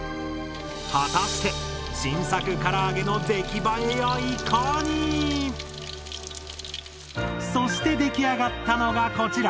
果たして新作から揚げの出来栄えやいかに⁉そして出来上がったのがこちら。